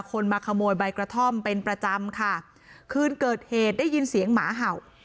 มาขโมยใบกระท่อมเป็นประจำค่ะคืนเกิดเหตุได้ยินเสียงหมาเห่า